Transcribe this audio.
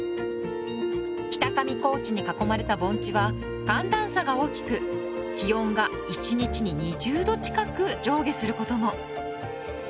北上高地に囲まれた盆地は寒暖差が大きく気温が一日に２０度近く上下することも。